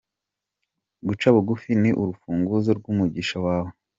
Guca bugufi ni urufunguzo rw’umugisha wawe